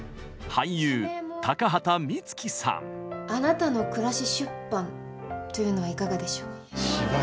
俳優「あなたの暮し出版」というのはいかがでしょう？